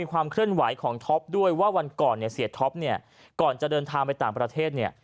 ความเคลื่อนไหวของท็อปด้วยว่าวันก่อนเนี่ยเสียท็อปเนี่ยก่อนจะเดินทางไปต่างประเทศเนี่ย